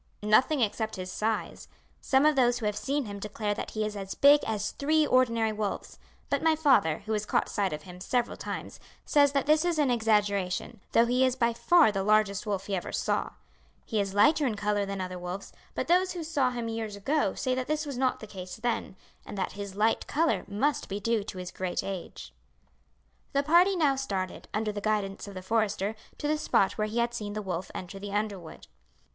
"Nothing except his size. Some of those who have seen him declare that he is as big as three ordinary wolves; but my father, who has caught sight of him several times, says that this is an exaggeration, though he is by far the largest wolf he ever saw. He is lighter in colour than other wolves, but those who saw him years ago say that this was not the case then, and that his light colour must be due to his great age." The party now started, under the guidance of the forester, to the spot where he had seen the wolf enter the underwood.